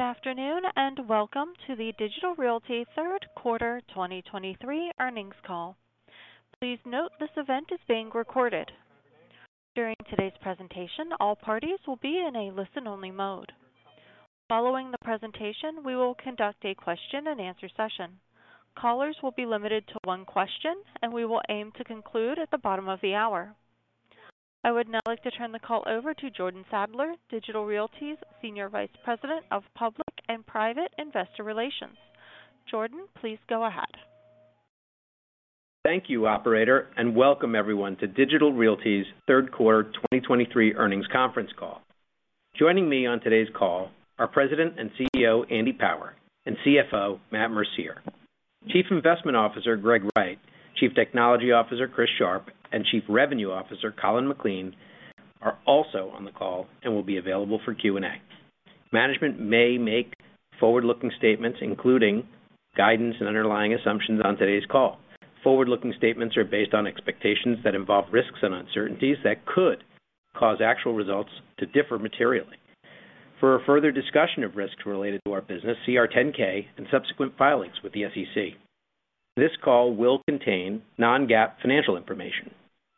Good afternoon, and welcome to the Digital Realty third quarter 2023 earnings call. Please note this event is being recorded. During today's presentation, all parties will be in a listen-only mode. Following the presentation, we will conduct a question-and-answer session. Callers will be limited to one question, and we will aim to conclude at the bottom of the hour. I would now like to turn the call over to Jordan Sadler, Digital Realty's Senior Vice President of Public and Private Investor Relations. Jordan, please go ahead. Thank you, operator, and welcome everyone to Digital Realty's third quarter 2023 earnings conference call. Joining me on today's call are President and CEO, Andy Power, and CFO, Matt Mercier. Chief Investment Officer, Greg Wright, Chief Technology Officer, Chris Sharp, and Chief Revenue Officer, Colin McLean, are also on the call and will be available for Q&A. Management may make forward-looking statements, including guidance and underlying assumptions on today's call. Forward-looking statements are based on expectations that involve risks and uncertainties that could cause actual results to differ materially. For a further discussion of risks related to our business, see our 10-K and subsequent filings with the SEC. This call will contain non-GAAP financial information.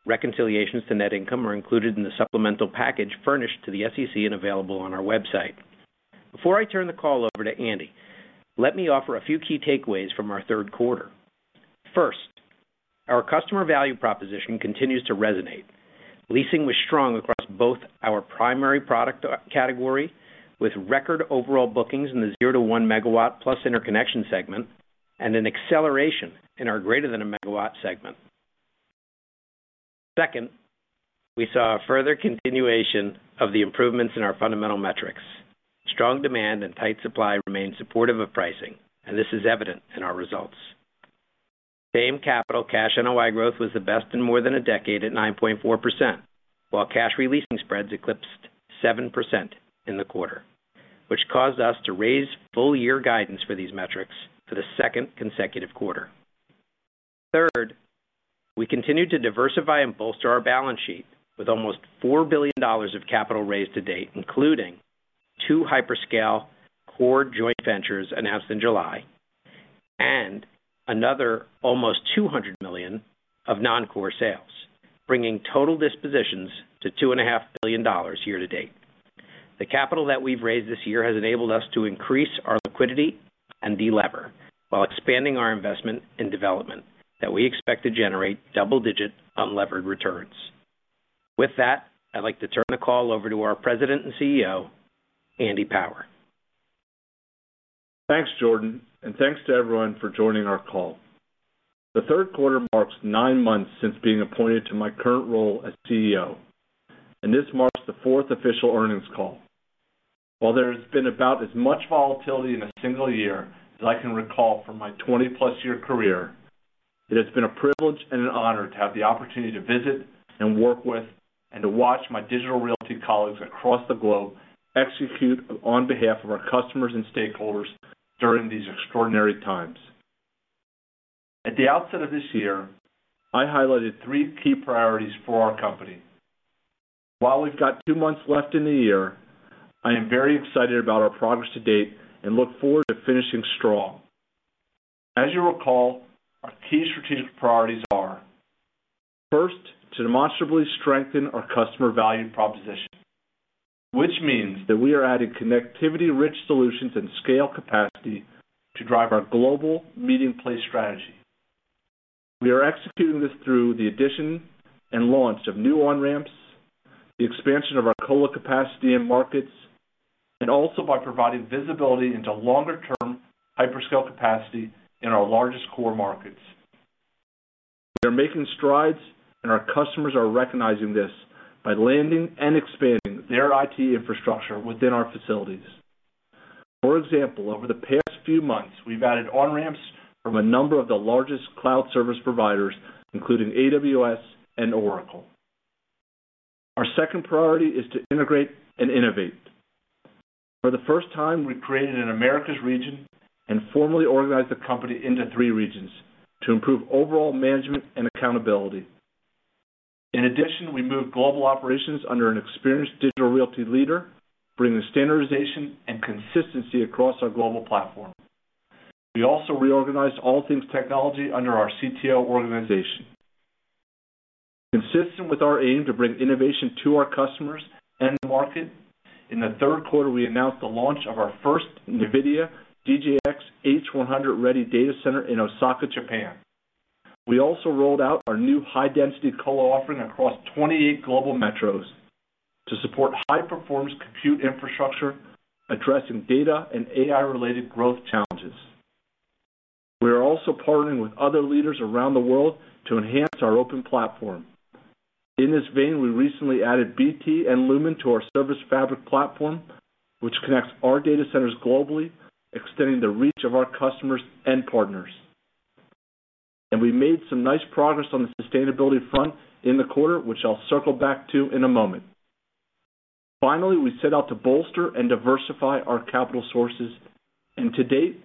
Reconciliations to net income are included in the supplemental package furnished to the SEC and available on our website. Before I turn the call over to Andy, let me offer a few key takeaways from our third quarter. First, our customer value proposition continues to resonate. Leasing was strong across both our primary product category, with record overall bookings in the 0 MW-1 MW plus interconnection segment, and an acceleration in our greater than 1 MW segment. Second, we saw a further continuation of the improvements in our fundamental metrics. Strong demand and tight supply remain supportive of pricing, and this is evident in our results. Same capital cash NOI growth was the best in more than a decade at 9.4%, while cash re-leasing spreads eclipsed 7% in the quarter, which caused us to raise full year guidance for these metrics for the second consecutive quarter. Third, we continued to diversify and bolster our balance sheet with almost $4 billion of capital raised to date, including two hyperscale core joint ventures announced in July and another almost $200 million of non-core sales, bringing total dispositions to $2.5 billion year to date. The capital that we've raised this year has enabled us to increase our liquidity and delever while expanding our investment in development that we expect to generate double-digit unlevered returns. With that, I'd like to turn the call over to our President and CEO, Andy Power. Thanks, Jordan, and thanks to everyone for joining our call. The third quarter marks nine months since being appointed to my current role as CEO, and this marks the fourth official earnings call. While there's been about as much volatility in a single year as I can recall from my 20+ year career, it has been a privilege and an honor to have the opportunity to visit and work with, and to watch my Digital Realty colleagues across the globe execute on behalf of our customers and stakeholders during these extraordinary times. At the outset of this year, I highlighted three key priorities for our company. While we've got two months left in the year, I am very excited about our progress to date and look forward to finishing strong. As you'll recall, our key strategic priorities are: first, to demonstrably strengthen our customer value proposition, which means that we are adding connectivity, rich solutions, and scale capacity to drive our global meeting place strategy. We are executing this through the addition and launch of new on-ramps, the expansion of our colo capacity in markets, and also by providing visibility into longer-term hyperscale capacity in our largest core markets. We are making strides, and our customers are recognizing this by landing and expanding their IT infrastructure within our facilities. For example, over the past few months, we've added on-ramps from a number of the largest cloud service providers, including AWS and Oracle. Our second priority is to integrate and innovate. For the first time, we created an Americas region and formally organized the company into three regions to improve overall management and accountability. In addition, we moved global operations under an experienced Digital Realty leader, bringing standardization and consistency across our global platform. We also reorganized all things technology under our CTO organization. Consistent with our aim to bring innovation to our customers and the market, in the third quarter, we announced the launch of our first NVIDIA DGX H100-ready data center in Osaka, Japan. We also rolled out our new high-density colo offering across 28 global metros to support high-performance compute infrastructure, addressing data and AI-related growth challenges. We are also partnering with other leaders around the world to enhance our open platform. In this vein, we recently added BT and Lumen to our ServiceFabric platform, which connects our data centers globally, extending the reach of our customers and partners. We made some nice progress on the sustainability front in the quarter, which I'll circle back to in a moment. Finally, we set out to bolster and diversify our capital sources, and to date.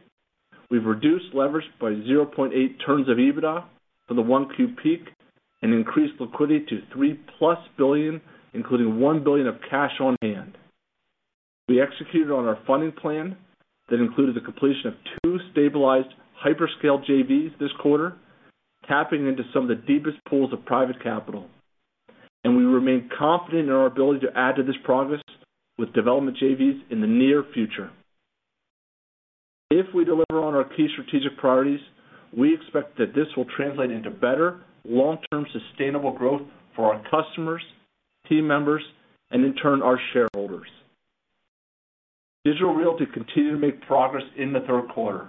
We've reduced leverage by 0.8 turns of EBITDA for the 1Q peak and increased liquidity to $3+ billion, including $1 billion of cash on hand. We executed on our funding plan that included the completion of two stabilized hyperscale JVs this quarter, tapping into some of the deepest pools of private capital, and we remain confident in our ability to add to this progress with development JVs in the near future. If we deliver on our key strategic priorities, we expect that this will translate into better, long-term, sustainable growth for our customers, team members, and in turn, our shareholders. Digital Realty continued to make progress in the third quarter,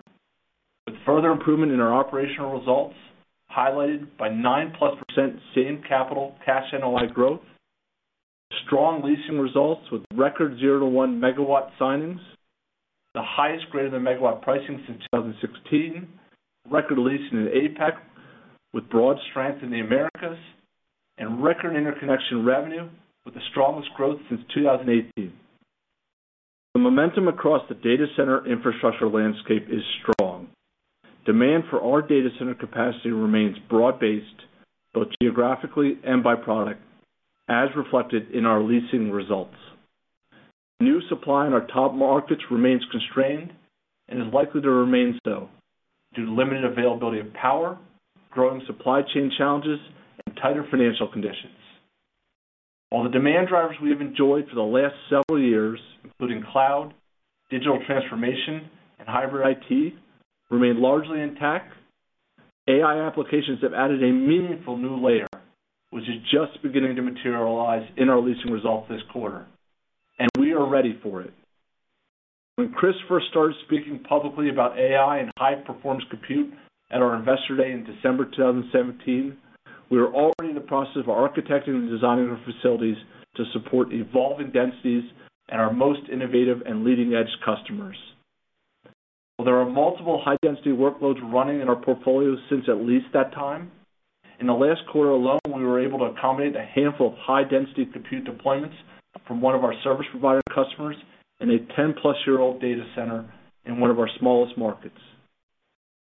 with further improvement in our operational results, highlighted by 9%+ same-capital cash NOI growth, strong leasing results with record 0 MW-1 MW signings, the highest >1 MW pricing since 2016, record leasing in APAC, with broad strength in the Americas, and record interconnection revenue, with the strongest growth since 2018. The momentum across the data center infrastructure landscape is strong. Demand for our data center capacity remains broad-based, both geographically and by product, as reflected in our leasing results. New supply in our top markets remains constrained and is likely to remain so due to limited availability of power, growing supply chain challenges, and tighter financial conditions. While the demand drivers we have enjoyed for the last several years, including cloud, digital transformation, and hybrid IT, remain largely intact, AI applications have added a meaningful new layer, which is just beginning to materialize in our leasing results this quarter, and we are ready for it. When Chris first started speaking publicly about AI and high-performance compute at our Investor Day in December 2017, we were already in the process of architecting and designing our facilities to support evolving densities and our most innovative and leading-edge customers. Well, there are multiple high-density workloads running in our portfolio since at least that time. In the last quarter alone, we were able to accommodate a handful of high-density compute deployments from one of our service provider customers in a 10+-year-old data center in one of our smallest markets.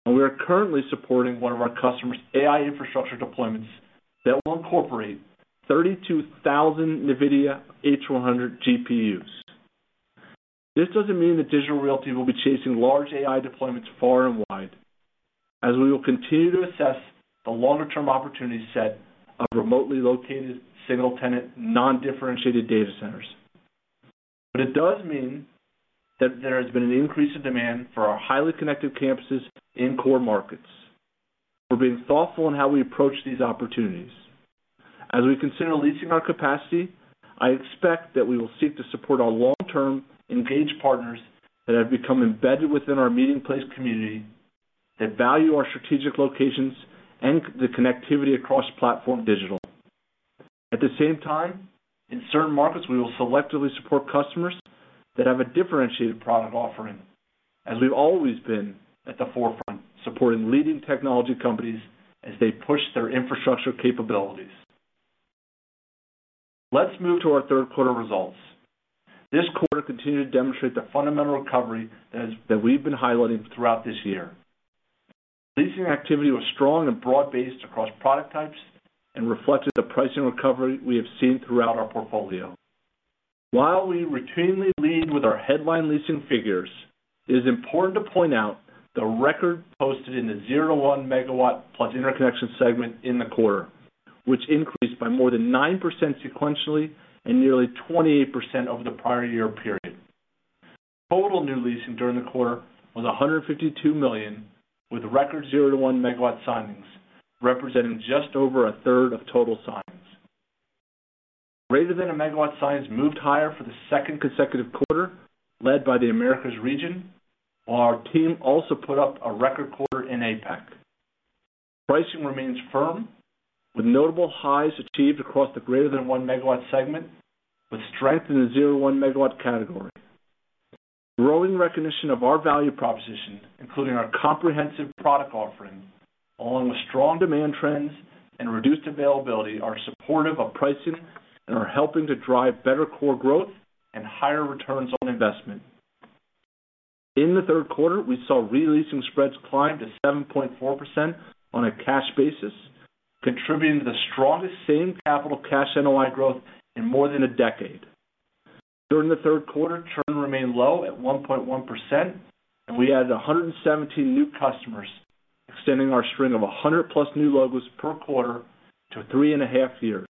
We are currently supporting one of our customers' AI infrastructure deployments that will incorporate 32,000 NVIDIA H100 GPUs. This doesn't mean that Digital Realty will be chasing large AI deployments far and wide, as we will continue to assess the longer-term opportunity set of remotely located, single-tenant, non-differentiated data centers. But it does mean that there has been an increase in demand for our highly connected campuses in core markets. We're being thoughtful in how we approach these opportunities. As we consider leasing our capacity, I expect that we will seek to support our long-term, engaged partners that have become embedded within our meeting place community, that value our strategic locations, and the connectivity across Platform Digital. At the same time, in certain markets, we will selectively support customers that have a differentiated product offering, as we've always been at the forefront, supporting leading technology companies as they push their infrastructure capabilities. Let's move to our third quarter results. This quarter continued to demonstrate the fundamental recovery that we've been highlighting throughout this year. Leasing activity was strong and broad-based across product types and reflected the pricing recovery we have seen throughout our portfolio. While we routinely lead with our headline leasing figures, it is important to point out the record posted in the 0 MW -1 MW plus interconnection segment in the quarter, which increased by more than 9% sequentially and nearly 28% over the prior year period. Total new leasing during the quarter was $152 million, with record 0 MW-1 MW signings, representing just over a third of total signings. Greater than 1 MW signings moved higher for the second consecutive quarter, led by the Americas region, while our team also put up a record quarter in APAC. Pricing remains firm, with notable highs achieved across the greater than 1 MW segment, with strength in the 0 MW-1 MW category. Growing recognition of our value proposition, including our comprehensive product offering, along with strong demand trends and reduced availability, are supportive of pricing and are helping to drive better core growth and higher returns on investment. In the third quarter, we saw re-leasing spreads climb to 7.4% on a cash basis, contributing to the strongest same-capital cash NOI growth in more than a decade. During the third quarter, churn remained low at 1.1%, and we added 117 new customers, extending our string of 100+ new logos per quarter to 3.5 years.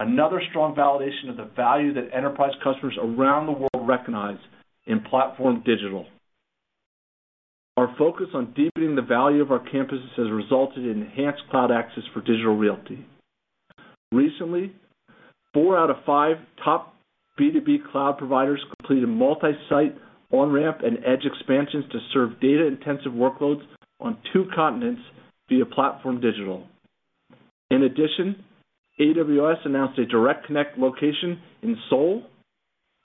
Another strong validation of the value that enterprise customers around the world recognize in Platform Digital. Our focus on deepening the value of our campuses has resulted in enhanced cloud access for Digital Realty. Recently, four out of five top B2B cloud providers completed a multi-site on-ramp and edge expansions to serve data-intensive workloads on two continents via Platform Digital. In addition, AWS announced a Direct Connect location in Seoul,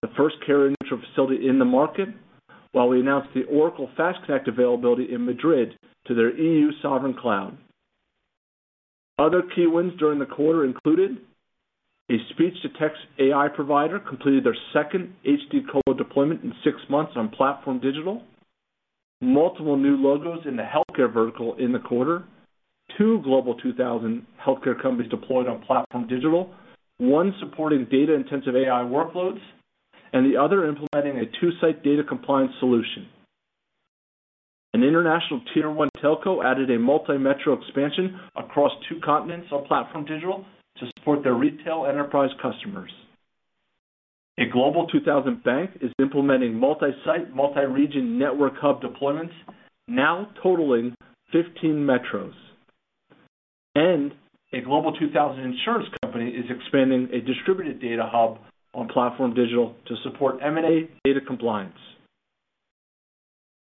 the first carrier-neutral facility in the market, while we announced the Oracle FastConnect availability in Madrid to their EU Sovereign Cloud. Other key wins during the quarter included: a speech-to-text AI provider completed their second HD colo deployment in six months on Platform Digital. Multiple new logos in the healthcare vertical in the quarter. Two Global 2000 healthcare companies deployed on Platform Digital, one supporting data-intensive AI workloads, and the other implementing a two-site data compliance solution. An international tier one telco added a multi-metro expansion across two continents on Platform Digital to support their retail enterprise customers. A Global 2000 bank is implementing multi-site, multi-region network hub deployments, now totaling 15 metros. And a Global 2000 insurance company is expanding a distributed data hub on Platform Digital to support M&A data compliance.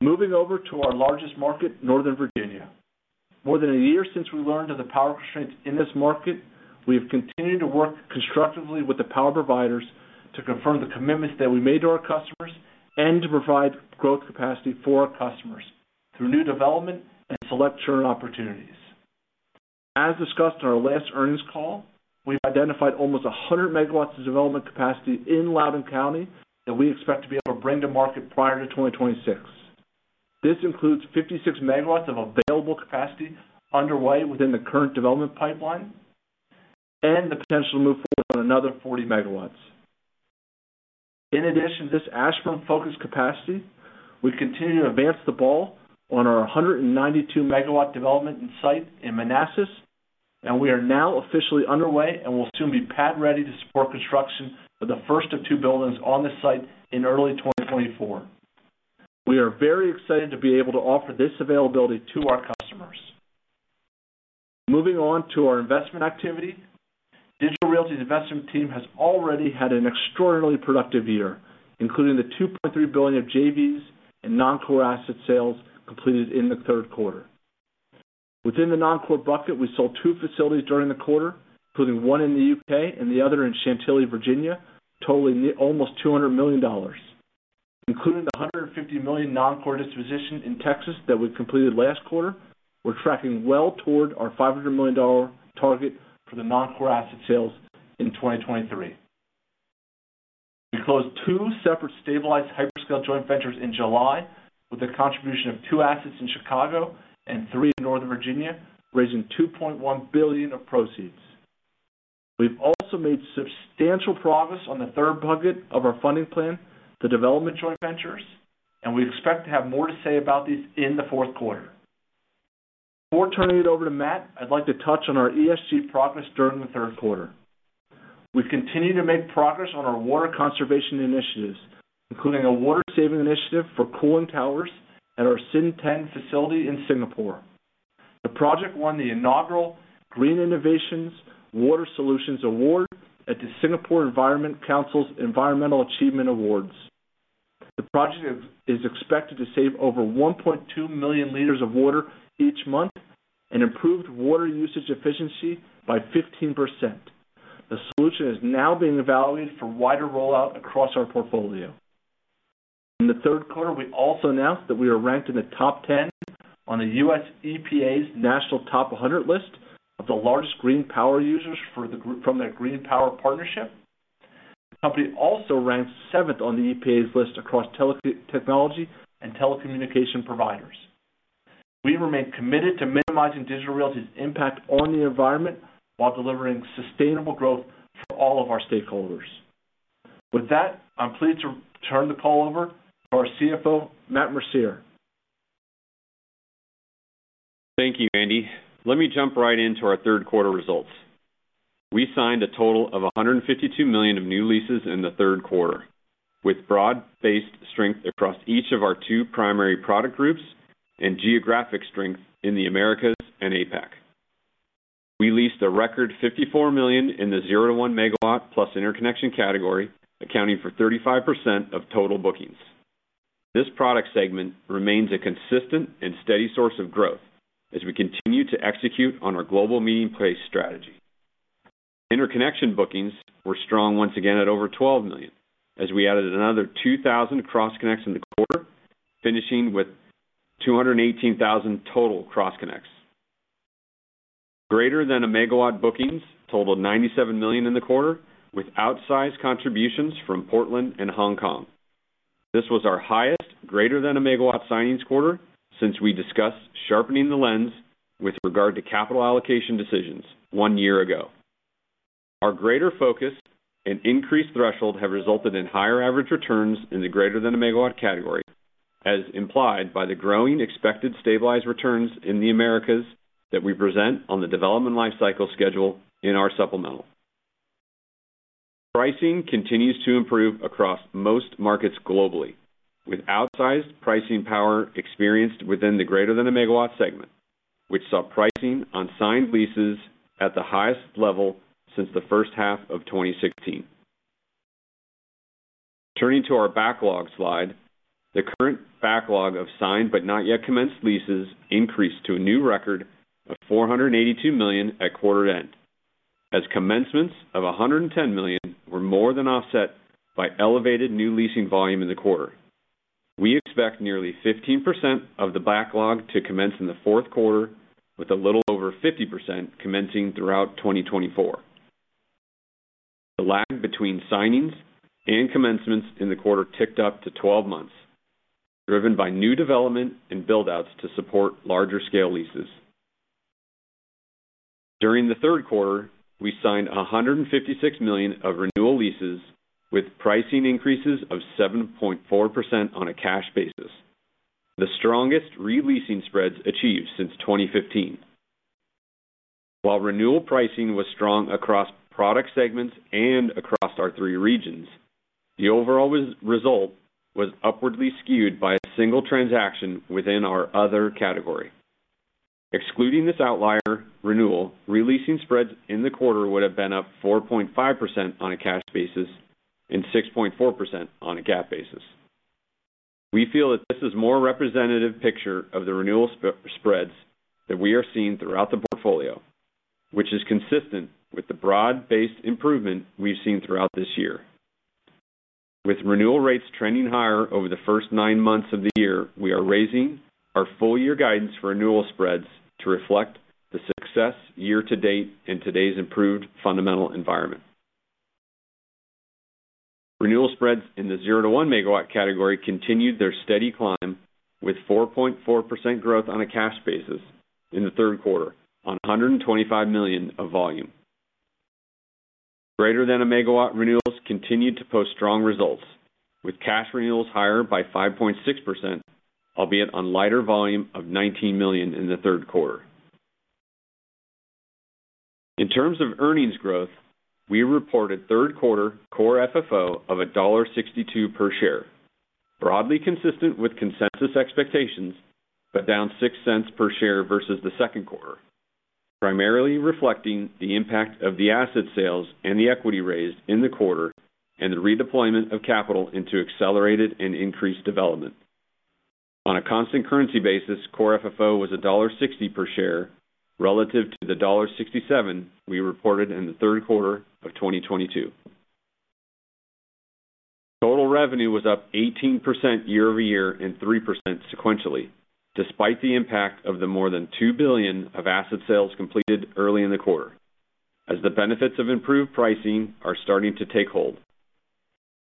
Moving over to our largest market, Northern Virginia. More than a year since we learned of the power constraints in this market, we have continued to work constructively with the power providers to confirm the commitments that we made to our customers and to provide growth capacity for our customers through new development and select churn opportunities. As discussed on our last earnings call, we've identified almost 100 MW of development capacity in Loudoun County that we expect to be able to bring to market prior to 2026. This includes 56 MW of available capacity underway within the current development pipeline and the potential to move forward on another 40 MW. In addition to this Ashburn-focused capacity, we continue to advance the ball on our 192-MW development and site in Manassas, and we are now officially underway and will soon be pad ready to support construction of the first of two buildings on this site in early 2024. We are very excited to be able to offer this availability to our customers. Moving on to our investment activity. Digital Realty's investment team has already had an extraordinarily productive year, including the $2.3 billion of JVs and non-core asset sales completed in the third quarter. Within the non-core bucket, we sold two facilities during the quarter, including one in the U.K. and the other in Chantilly, Virginia, totaling almost $200 million. Including the $150 million non-core disposition in Texas that we completed last quarter, we're tracking well toward our $500 million target for the non-core asset sales in 2023. We closed two separate stabilized hyperscale joint ventures in July, with a contribution of two assets in Chicago and three in Northern Virginia, raising $2.1 billion of proceeds. We've also made substantial progress on the third bucket of our funding plan, the development joint ventures, and we expect to have more to say about these in the fourth quarter. Before turning it over to Matt, I'd like to touch on our ESG progress during the third quarter. We've continued to make progress on our water conservation initiatives, including a water saving initiative for cooling towers at our SIN10 facility in Singapore. The project won the inaugural Green Innovations Water Solutions Award at the Singapore Environment Council's Environmental Achievement Awards. The project is expected to save over 1.2 million liters of water each month and improved water usage efficiency by 15%. The solution is now being evaluated for wider rollout across our portfolio. In the third quarter, we also announced that we are ranked in the top 10 on the U.S. EPA's National Top 100 list of the largest green power users from their Green Power Partnership. The company also ranked 7th on the EPA's list across tele technology and telecommunication providers. We remain committed to minimizing Digital Realty's impact on the environment, while delivering sustainable growth for all of our stakeholders. With that, I'm pleased to turn the call over to our CFO, Matt Mercier. Thank you, Andy. Let me jump right into our third quarter results. We signed a total of $152 million of new leases in the third quarter, with broad-based strength across each of our two primary product groups and geographic strength in the Americas and APAC. We leased a record $54 million in the 0 MW-1 MW plus interconnection category, accounting for 35% of total bookings. This product segment remains a consistent and steady source of growth as we continue to execute on our global meeting place strategy. Interconnection bookings were strong once again at over $12 million, as we added another 2,000 cross connects in the quarter, finishing with 218,000 total cross connects. Greater than 1 MW bookings totaled $97 million in the quarter, with outsized contributions from Portland and Hong Kong. This was our highest greater than a megawatt signings quarter since we discussed sharpening the lens with regard to capital allocation decisions one year ago. Our greater focus and increased threshold have resulted in higher average returns in the greater than a megawatt category, as implied by the growing expected stabilized returns in the Americas that we present on the development life cycle schedule in our supplemental. Pricing continues to improve across most markets globally, with outsized pricing power experienced within the greater than a megawatt segment, which saw pricing on signed leases at the highest level since the first half of 2016. Turning to our backlog slide, the current backlog of signed but not yet commenced leases increased to a new record of $482 million at quarter end, as commencements of $110 million were more than offset by elevated new leasing volume in the quarter. We expect nearly 15% of the backlog to commence in the fourth quarter, with a little over 50% commencing throughout 2024. The lag between signings and commencements in the quarter ticked up to 12 months, driven by new development and build-outs to support larger scale leases. During the third quarter, we signed $156 million of renewal leases, with pricing increases of 7.4% on a cash basis, the strongest re-leasing spreads achieved since 2015. While renewal pricing was strong across product segments and across our three regions, the overall result was upwardly skewed by a single transaction within our other category. Excluding this outlier renewal, re-leasing spreads in the quarter would have been up 4.5% on a cash basis and 6.4% on a GAAP basis. We feel that this is a more representative picture of the renewal spreads that we are seeing throughout the portfolio, which is consistent with the broad-based improvement we've seen throughout this year. With renewal rates trending higher over the first nine months of the year, we are raising our full year guidance for renewal spreads to reflect the success year-to-date in today's improved fundamental environment. Renewal spreads in the 0 MW-1 MW category continued their steady climb, with 4.4% growth on a cash basis in the third quarter on $125 million of volume. Greater than a megawatt renewals continued to post strong results, with cash renewals higher by 5.6%, albeit on lighter volume of $19 million in the third quarter. In terms of earnings growth, we reported third quarter core FFO of $1.62 per share, broadly consistent with consensus expectations, but down $0.06 per share versus the second quarter, primarily reflecting the impact of the asset sales and the equity raised in the quarter and the redeployment of capital into accelerated and increased development. On a constant currency basis, core FFO was $1.60 per share, relative to the $1.67 we reported in the third quarter of 2022. Total revenue was up 18% year-over-year and 3% sequentially, despite the impact of the more than $2 billion of asset sales completed early in the quarter, as the benefits of improved pricing are starting to take hold.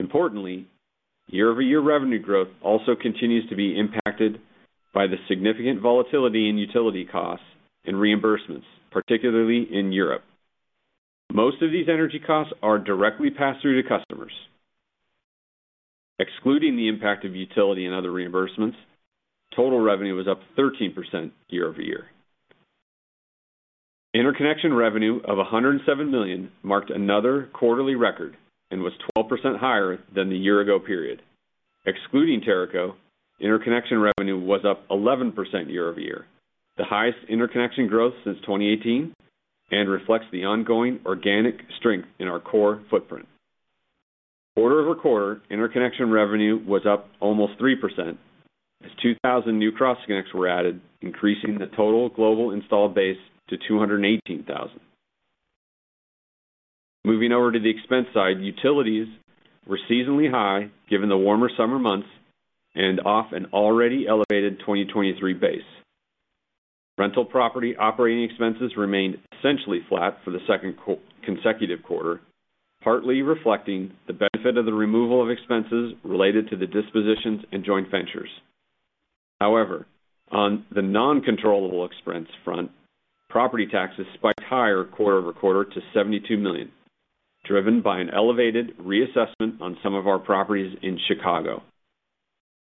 Importantly, year-over-year revenue growth also continues to be impacted by the significant volatility in utility costs and reimbursements, particularly in Europe. Most of these energy costs are directly passed through to customers. Excluding the impact of utility and other reimbursements, total revenue was up 13% year-over-year. Interconnection revenue of $107 million marked another quarterly record and was 12% higher than the year-ago period. Excluding Teraco, interconnection revenue was up 11% year-over-year, the highest interconnection growth since 2018, and reflects the ongoing organic strength in our core footprint. Quarter-over-quarter, interconnection revenue was up almost 3%, as 2,000 new cross connects were added, increasing the total global installed base to 218,000. Moving over to the expense side, utilities were seasonally high, given the warmer summer months and off an already elevated 2023 base. Rental property operating expenses remained essentially flat for the second consecutive quarter, partly reflecting the benefit of the removal of expenses related to the dispositions and joint ventures. However, on the non-controllable expense front, property taxes spiked higher quarter-over-quarter to $72 million, driven by an elevated reassessment on some of our properties in Chicago.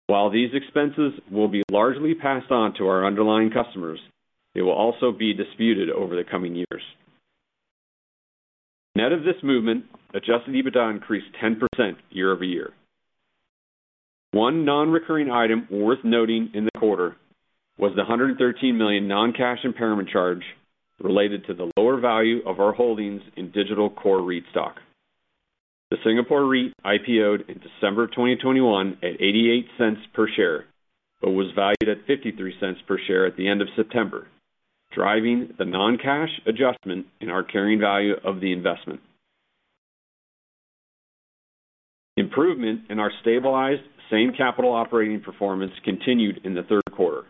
While these expenses will be largely passed on to our underlying customers, they will also be disputed over the coming years. Net of this movement, adjusted EBITDA increased 10% year-over-year. One non-recurring item worth noting in the quarter was the $113 million non-cash impairment charge related to the lower value of our holdings in Digital Core REIT stock. The Singapore REIT IPO'd in December 2021 at $0.88 per share, but was valued at $0.53 per share at the end of September, driving the non-cash adjustment in our carrying value of the investment. Improvement in our stabilized same capital operating performance continued in the third quarter,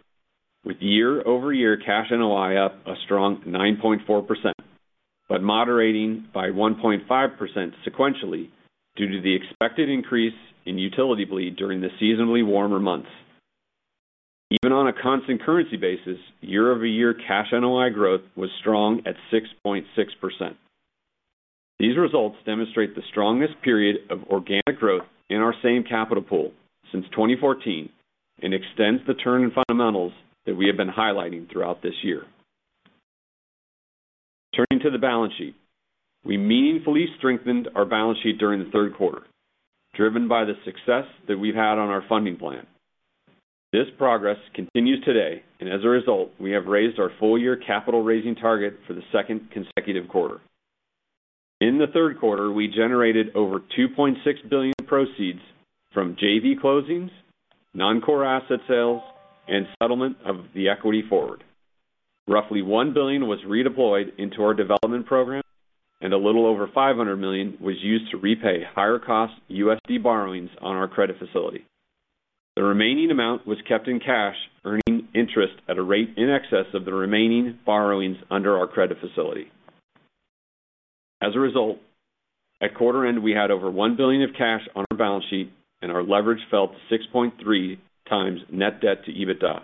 with year-over-year cash NOI up a strong 9.4%, but moderating by 1.5% sequentially due to the expected increase in utility bleed during the seasonally warmer months. Even on a constant currency basis, year-over-year cash NOI growth was strong at 6.6%. These results demonstrate the strongest period of organic growth in our same capital pool since 2014 and extends the turn in fundamentals that we have been highlighting throughout this year. Turning to the balance sheet. We meaningfully strengthened our balance sheet during the third quarter, driven by the success that we've had on our funding plan. This progress continues today, and as a result, we have raised our full-year capital raising target for the second consecutive quarter. In the third quarter, we generated over $2.6 billion proceeds from JV closings, non-core asset sales, and settlement of the equity forward.... Roughly $1 billion was redeployed into our development program, and a little over $500 million was used to repay higher cost USD borrowings on our credit facility. The remaining amount was kept in cash, earning interest at a rate in excess of the remaining borrowings under our credit facility. As a result, at quarter end, we had over $1 billion of cash on our balance sheet, and our leverage fell to 6.3x net debt to EBITDA,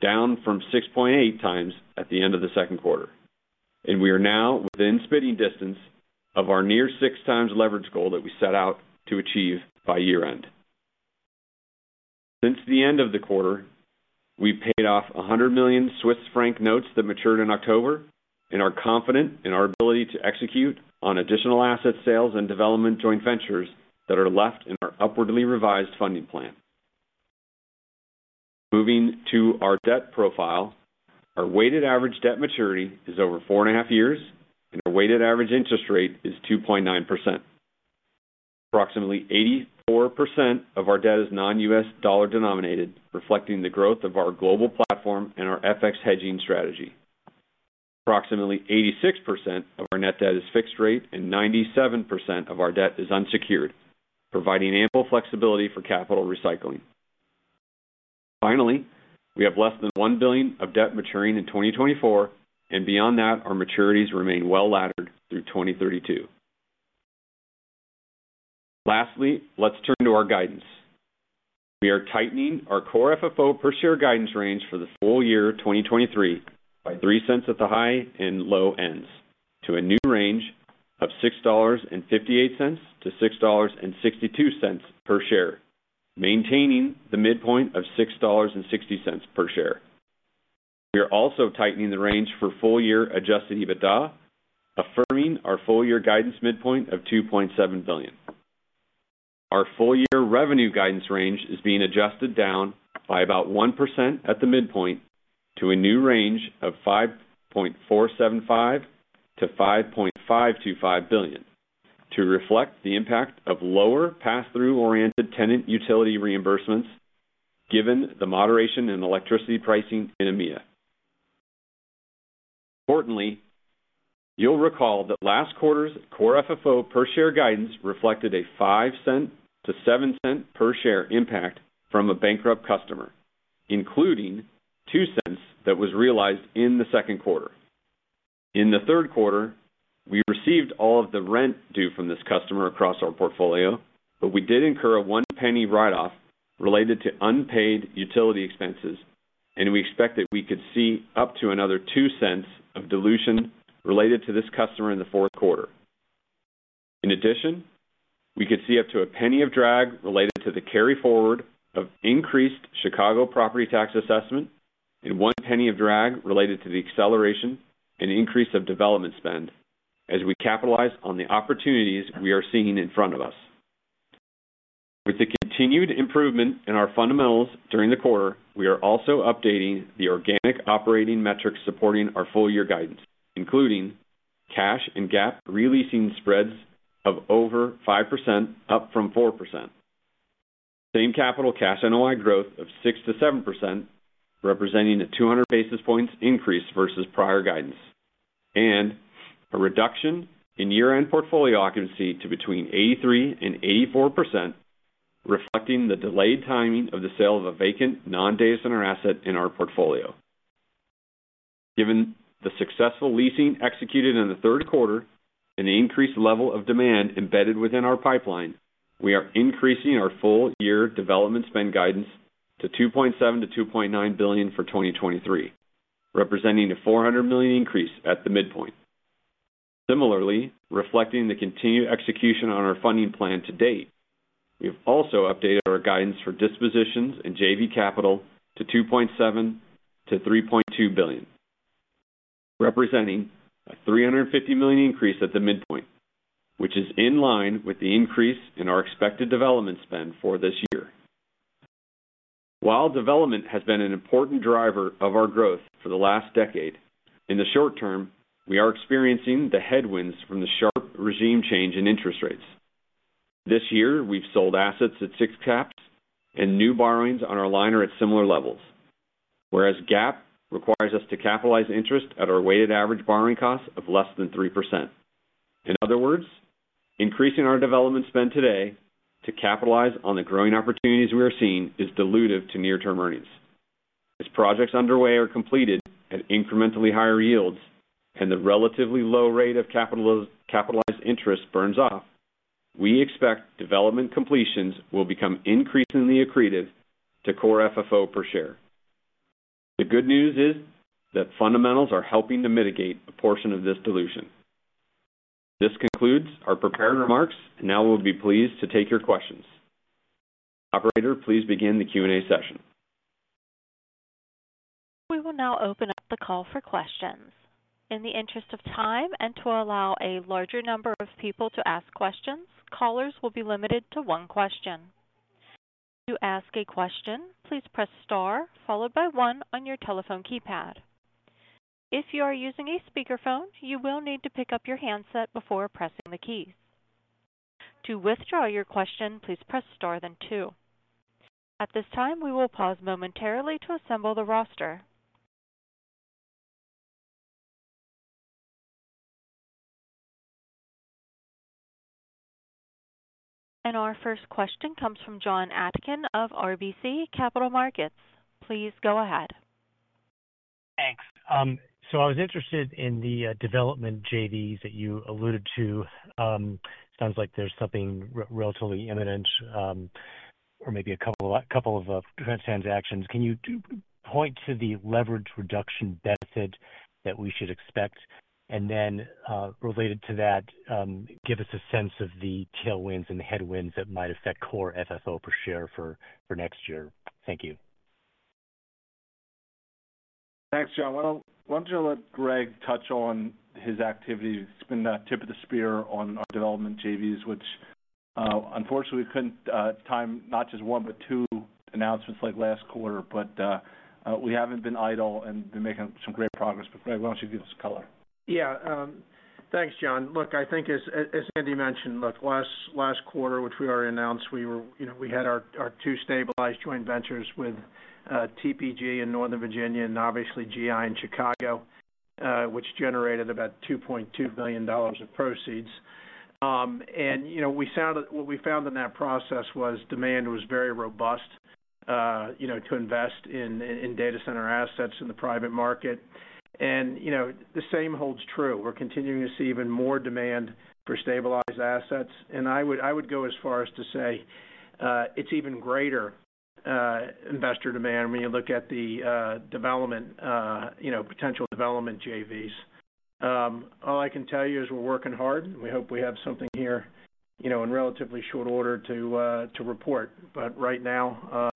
down from 6.8x at the end of the second quarter. We are now within spitting distance of our near 6x leverage goal that we set out to achieve by year-end. Since the end of the quarter, we've paid off 100 million Swiss franc notes that matured in October, and are confident in our ability to execute on additional asset sales and development joint ventures that are left in our upwardly revised funding plan. Moving to our debt profile, our weighted average debt maturity is over 4.5 years, and our weighted average interest rate is 2.9%. Approximately 84% of our debt is non-U.S. dollar denominated, reflecting the growth of our global platform and our FX hedging strategy. Approximately 86% of our net debt is fixed rate and 97% of our debt is unsecured, providing ample flexibility for capital recycling. Finally, we have less than $1 billion of debt maturing in 2024, and beyond that, our maturities remain well laddered through 2032. Lastly, let's turn to our guidance. We are tightening our core FFO per share guidance range for the full year 2023 by $0.03 at the high and low ends to a new range of $6.58-$6.62 per share, maintaining the midpoint of $6.60 per share. We are also tightening the range for full year adjusted EBITDA, affirming our full year guidance midpoint of $2.7 billion. Our full-year revenue guidance range is being adjusted down by about 1% at the midpoint to a new range of $5.475 billion-$5.525 billion, to reflect the impact of lower pass-through-oriented tenant utility reimbursements, given the moderation in electricity pricing in EMEA. Importantly, you'll recall that last quarter's Core FFO per share guidance reflected a $0.05-$0.07 per share impact from a bankrupt customer, including $0.02 that was realized in the second quarter. In the third quarter, we received all of the rent due from this customer across our portfolio, but we did incur a $0.01 write-off related to unpaid utility expenses, and we expect that we could see up to another $0.02 of dilution related to this customer in the fourth quarter. In addition, we could see up to a $0.01 of drag related to the carry forward of increased Chicago property tax assessment and $0.01 of drag related to the acceleration and increase of development spend as we capitalize on the opportunities we are seeing in front of us. With the continued improvement in our fundamentals during the quarter, we are also updating the organic operating metrics supporting our full-year guidance, including cash and GAAP re-leasing spreads of over 5%, up from 4%. Same capital cash NOI growth of 6%-7%, representing a 200 basis points increase versus prior guidance, and a reduction in year-end portfolio occupancy to between 83% and 84%, reflecting the delayed timing of the sale of a vacant non-data center asset in our portfolio. Given the successful leasing executed in the third quarter and the increased level of demand embedded within our pipeline, we are increasing our full-year development spend guidance to $2.7 billion-$2.9 billion for 2023, representing a $400 million increase at the midpoint. Similarly, reflecting the continued execution on our funding plan to date, we have also updated our guidance for dispositions and JV capital to $2.7 billion-$3.2 billion, representing a $350 million increase at the midpoint, which is in line with the increase in our expected development spend for this year. While development has been an important driver of our growth for the last decade, in the short term, we are experiencing the headwinds from the sharp regime change in interest rates. This year, we've sold assets at six caps and new borrowings on our line are at similar levels, whereas GAAP requires us to capitalize interest at our weighted average borrowing cost of less than 3%. In other words, increasing our development spend today to capitalize on the growing opportunities we are seeing is dilutive to near-term earnings. As projects underway are completed at incrementally higher yields and the relatively low rate of capitalized interest burns off, we expect development completions will become increasingly accretive to Core FFO per share. The good news is that fundamentals are helping to mitigate a portion of this dilution. This concludes our prepared remarks, and now we'll be pleased to take your questions. Operator, please begin the Q&A session. We will now open up the call for questions. In the interest of time and to allow a larger number of people to ask questions, callers will be limited to one question. To ask a question, please press star, followed by one on your telephone keypad. If you are using a speakerphone, you will need to pick up your handset before pressing the key. To withdraw your question, please press star then two. At this time, we will pause momentarily to assemble the roster. Our first question comes from Jon Atkin of RBC Capital Markets. Please go ahead. Thanks. So I was interested in the development JVs that you alluded to. Sounds like there's something relatively imminent, or maybe a couple of transactions. Can you point to the leverage reduction benefit that we should expect? And then, related to that, give us a sense of the tailwinds and the headwinds that might affect core FFO per share for next year. Thank you. Thanks, Jon. Well, why don't you let Greg touch on his activities? He's been the tip of the spear on our development JVs, which, unfortunately, we couldn't time, not just one, but two announcements like last quarter. But, we haven't been idle and been making some great progress. But, Greg, why don't you give us color? Yeah. Thanks, Jon, Look, I think as Andy mentioned, look, last quarter, which we already announced, we were, you know, we had our two stabilized joint ventures with TPG in Northern Virginia and obviously GI in Chicago, which generated about $2.2 billion of proceeds. And, you know, we found that what we found in that process was demand was very robust, you know, to invest in data center assets in the private market. And, you know, the same holds true. We're continuing to see even more demand for stabilized assets, and I would go as far as to say, it's even greater investor demand when you look at the development, you know, potential development JVs. All I can tell you is we're working hard, and we hope we have something here, you know, in relatively short order to report. Right now,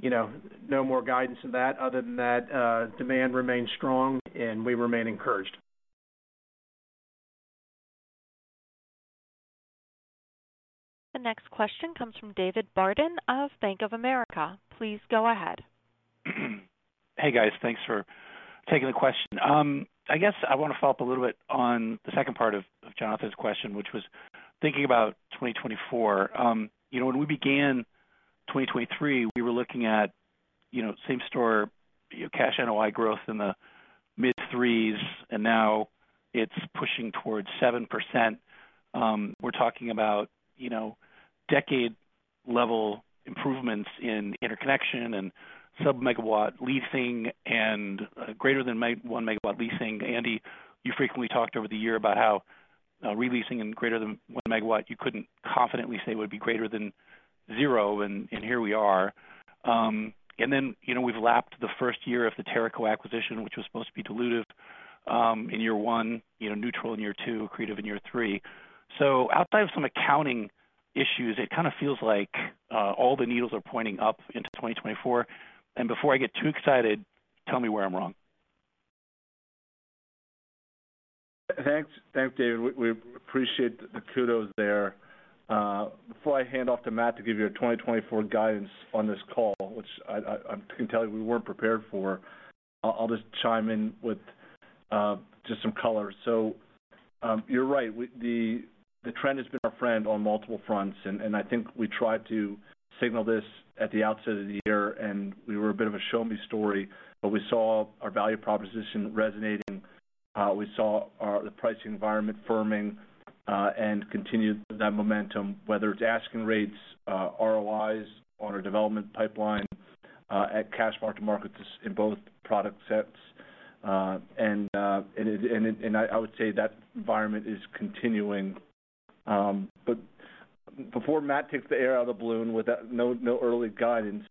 you know, no more guidance than that other than that demand remains strong and we remain encouraged. The next question comes from David Barden of Bank of America. Please go ahead. Hey, guys. Thanks for taking the question. I guess I want to follow up a little bit on the second part of Jonathan's question, which was thinking about 2024. You know, when we began 2023, we were looking at, you know, same store, cash NOI growth in the mid-3s, and now it's pushing towards 7%. We're talking about, you know, decade-level improvements in interconnection and sub-megawatt leasing and greater than 1 MW leasing. Andy, you frequently talked over the year about how re-leasing in greater than 1 MW, you couldn't confidently say would be greater than zero, and here we are. And then, you know, we've lapped the first year of the Teraco acquisition, which was supposed to be dilutive in year one, you know, neutral in year two, accretive in year three. Outside of some accounting issues, it kind of feels like all the needles are pointing up into 2024. Before I get too excited, tell me where I'm wrong. Thanks. Thanks, David. We appreciate the kudos there. Before I hand off to Matt to give you a 2024 guidance on this call, which I can tell you we weren't prepared for, I'll just chime in with just some color. You're right. The trend has been our friend on multiple fronts, and I think we tried to signal this at the outset of the year, and we were a bit of a show me story, but we saw our value proposition resonating. We saw the pricing environment firming, and continued that momentum, whether it's asking rates, ROIs on our development pipeline, at cash market markets in both product sets. I would say that environment is continuing. But before Matt takes the air out of the balloon with no early guidance,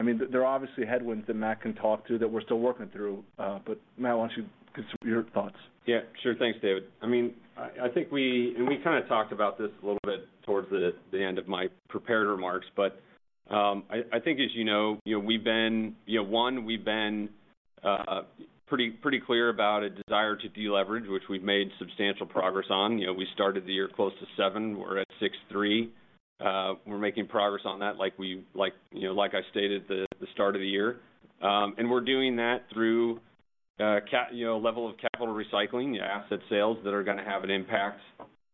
I mean, there are obviously headwinds that Matt can talk to that we're still working through. But Matt, why don't you give us your thoughts? Yeah, sure. Thanks, David. I mean, I think we, and we kind of talked about this a little bit towards the end of my prepared remarks, but, I think as you know, you know, we've been, you know, one, we've been pretty clear about a desire to deleverage, which we've made substantial progress on. You know, we started the year close to seven. We're at 6.3. We're making progress on that, like we, like, you know, like I stated at the start of the year. And we're doing that through cap, you know, level of capital recycling, the asset sales that are going to have an impact,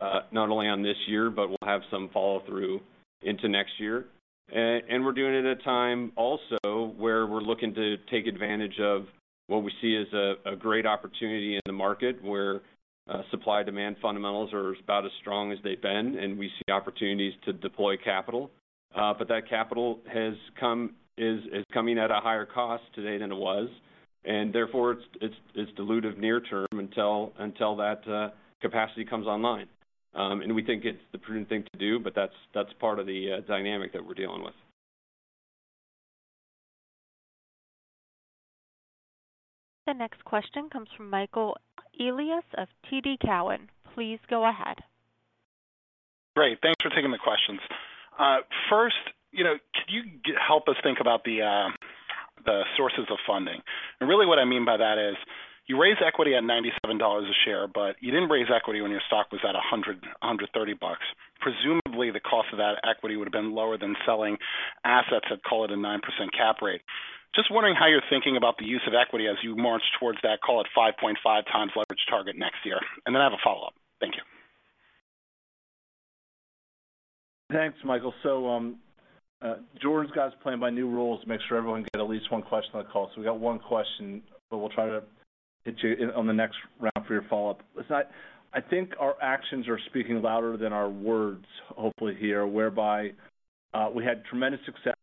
not only on this year, but will have some follow-through into next year. And we're doing it at a time also where we're looking to take advantage of what we see as a great opportunity in the market, where supply-demand fundamentals are about as strong as they've been, and we see opportunities to deploy capital. But that capital has come, is coming at a higher cost today than it was, and therefore, it's dilutive near term until that capacity comes online. And we think it's the prudent thing to do, but that's part of the dynamic that we're dealing with. The next question comes from Michael Elias of TD Cowen. Please go ahead. Great, thanks for taking the questions. First, you know, could you help us think about the sources of funding? And really what I mean by that is, you raised equity at $97 a share, but you didn't raise equity when your stock was at $100, $130. Presumably, the cost of that equity would have been lower than selling assets at, call it, a 9% cap rate. Just wondering how you're thinking about the use of equity as you march towards that, call it 5.5x leverage target next year. And then I have a follow-up. Thank you. Thanks, Michael. So, Jordan's got us playing by new rules to make sure everyone get at least one question on the call. So we got one question, but we'll try to get you in on the next round for your follow-up. I think our actions are speaking louder than our words, hopefully here, whereby, we had tremendous success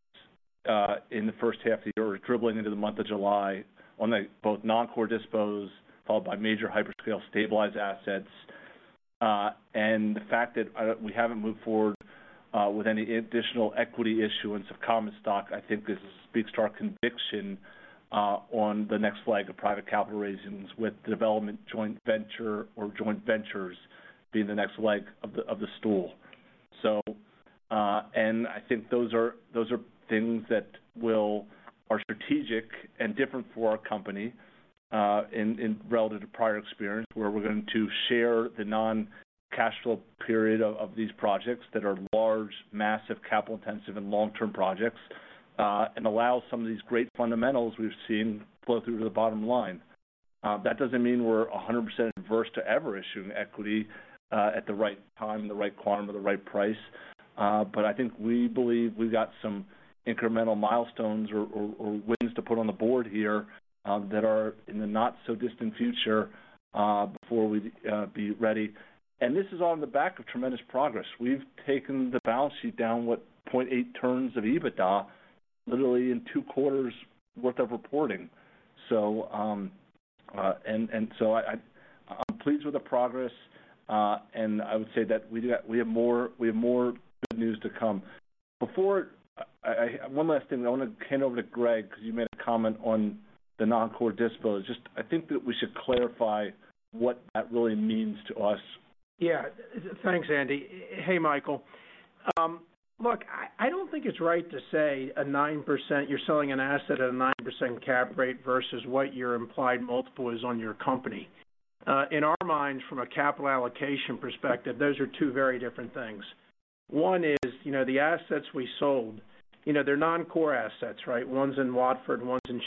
in the first half of the year. We're dribbling into the month of July on the both non-core dispositions, followed by major hyperscale stabilized assets. And the fact that, we haven't moved forward with any additional equity issuance of common stock, I think this speaks to our conviction on the next leg of private capital raises, with development joint venture or joint ventures being the next leg of the, of the stool. So, and I think those are, those are things that are strategic and different for our company, in relative to prior experience, where we're going to share the non-cash flow period of these projects that are large, massive, capital-intensive and long-term projects, and allow some of these great fundamentals we've seen flow through to the bottom line. That doesn't mean we're 100% adverse to ever issuing equity, at the right time, in the right quantum, or the right price. But I think we believe we've got some incremental milestones or wins to put on the board here, that are in the not so distant future, before we'd be ready. And this is all on the back of tremendous progress. We've taken the balance sheet down, what, 0.8 turns of EBITDA, literally in two quarters worth of reporting. I am pleased with the progress. I would say that we do have more, we have more good news to come. Before I—one last thing. I want to hand over to Greg, because you made a comment on the non-core dispos. I think that we should clarify what that really means to us. Yeah. Thanks, Andy. Hey, Michael. Look, I don't think it's right to say a 9%—you're selling an asset at a 9% cap rate versus what your implied multiple is on your company. In our minds, from a capital allocation perspective, those are two very different things. One is, you know, the assets we sold, you know, they're non-core assets, right? One's in Watford, and one's in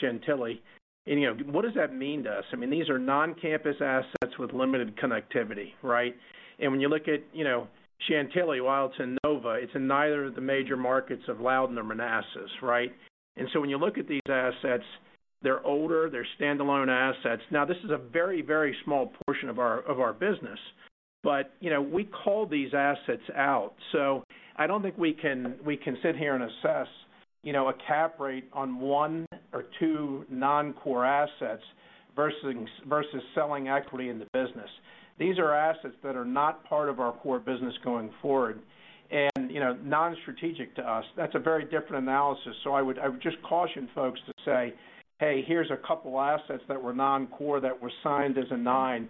Chantilly. And, you know, what does that mean to us? I mean, these are non-campus assets with limited connectivity, right? And when you look at, you know, Chantilly, while it's in Nova, it's in neither of the major markets of Loudoun or Manassas, right? And so when you look at these assets, they're older, they're standalone assets. Now, this is a very, very small portion of our, of our business. But, you know, we called these assets out, so I don't think we can, we can sit here and assess, you know, a cap rate on one or two non-core assets versus, versus selling equity in the business. These are assets that are not part of our core business going forward and, you know, non-strategic to us. That's a very different analysis. So I would, I would just caution folks to say, "Hey, here's a couple assets that were non-core that were signed as a nine.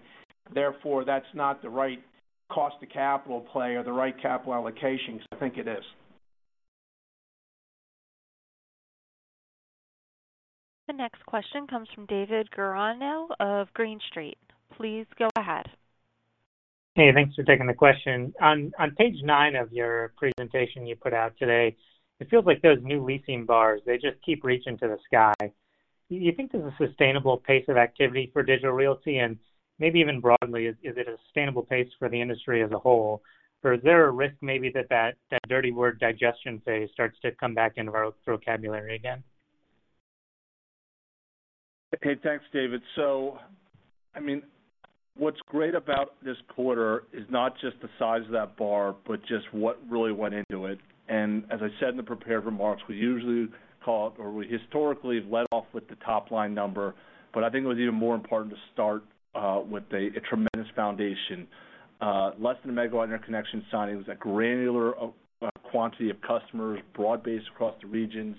Therefore, that's not the right cost to capital play or the right capital allocation," because I think it is. The next question comes from David Guarino of Green Street. Please go ahead. Hey, thanks for taking the question. On page nine of your presentation you put out today, it feels like those new leasing bars, they just keep reaching to the sky. Do you think this is a sustainable pace of activity for Digital Realty? And maybe even broadly, is it a sustainable pace for the industry as a whole, or is there a risk maybe that dirty word digestion phase starts to come back into our vocabulary again? Hey, thanks, David. So, I mean, what's great about this quarter is not just the size of that bar, but just what really went into it. And as I said in the prepared remarks, we usually call it, or we historically have led off with the top-line number, but I think it was even more important to start with a tremendous foundation. Less than a megawatt interconnection signing. It was a granular quantity of customers, broad-based across the regions,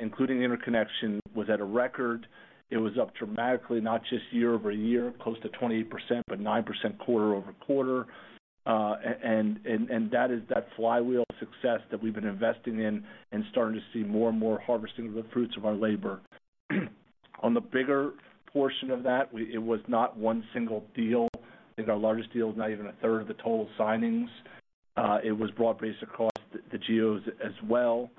including the interconnection, was at a record. It was up dramatically, not just year-over-year, close to 28%, but 9% quarter-over-quarter. And that is that flywheel success that we've been investing in and starting to see more and more harvesting of the fruits of our labor. On the bigger portion of that, it was not one single deal. I think our largest deal is not even a third of the total signings. It was broad-based across the geos as well.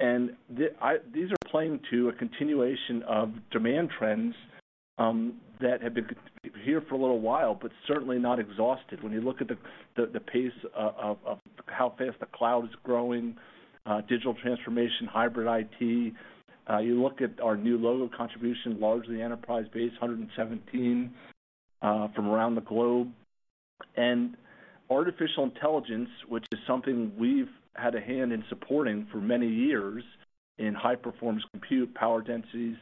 These are playing to a continuation of demand trends that have been here for a little while, but certainly not exhausted. When you look at the pace of how fast the cloud is growing, digital transformation, hybrid IT, you look at our new logo contribution, largely enterprise-based, 117 from around the globe. And artificial intelligence, which is something we've had a hand in supporting for many years in high-performance compute, power densities,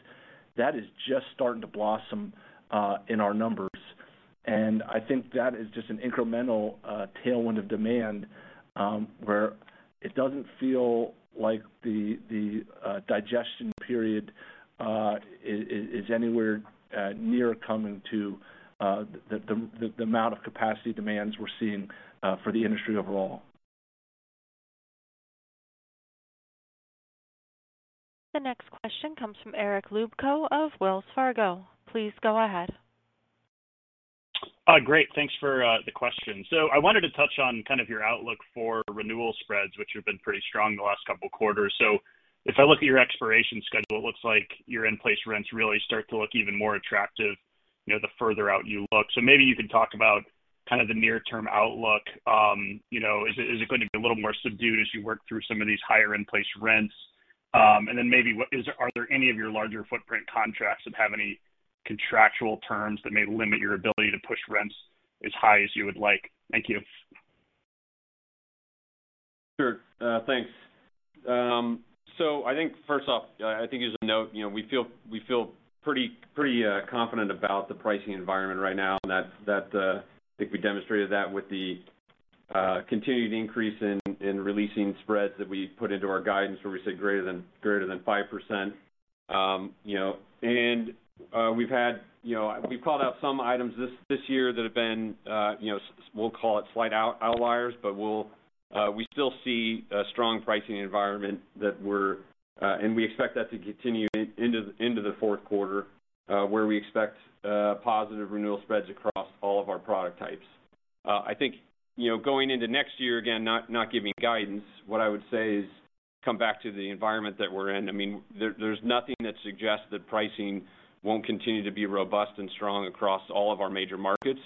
that is just starting to blossom in our numbers. I think that is just an incremental tailwind of demand, where it doesn't feel like the digestion period is anywhere near coming to the amount of capacity demands we're seeing for the industry overall. The next question comes from Eric Luebchow of Wells Fargo. Please go ahead. Great. Thanks for the question. I wanted to touch on kind of your outlook for renewal spreads, which have been pretty strong the last couple of quarters. If I look at your expiration schedule, it looks like your in-place rents really start to look even more attractive, you know, the further out you look. Maybe you can talk about kind of the near-term outlook. You know, is it going to be a little more subdued as you work through some of these higher in-place rents? Then maybe, are there any of your larger footprint contracts that have any contractual terms that may limit your ability to push rents as high as you would like? Thank you. Sure. Thanks. I think first off, as a note, you know, we feel pretty, pretty confident about the pricing environment right now, and that, I think we demonstrated that with the continued increase in re-leasing spreads that we put into our guidance, where we said greater than 5%. You know, we've called out some items this year that have been, we'll call it slight outliers, but we still see a strong pricing environment that we're, and we expect that to continue into the fourth quarter, where we expect positive renewal spreads across all of our product types. I think, you know, going into next year, again, not giving guidance, what I would say is come back to the environment that we're in. I mean, there's nothing that suggests that pricing won't continue to be robust and strong across all of our major markets.